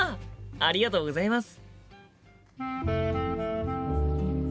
ありがとうございます。